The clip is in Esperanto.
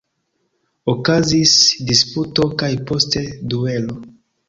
Okazis disputo kaj poste duelo.